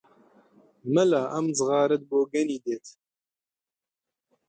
مەلا ئەم جغارەت بۆگەنی دێت!